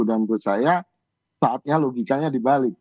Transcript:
dan menurut saya saatnya logikanya dibalik